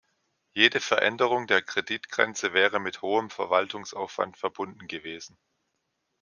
Jede Veränderung der Kreditgrenze wäre mit hohem Verwaltungsaufwand verbunden gewesen.